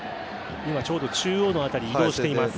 今、ちょうど中央の辺り移動しています。